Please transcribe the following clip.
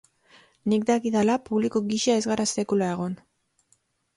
Nik dakidala, publiko gisa ez gara sekula egon.